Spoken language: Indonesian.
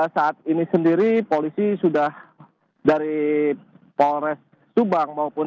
saat ini sendiri polisi sudah dari polres subang maupun